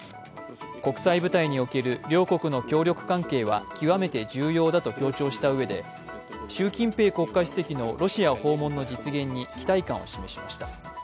国際舞台における両国の協力関係は極めて重要だと強調したうえで習近平国家主席のロシア訪問の実現に期待感を示しました。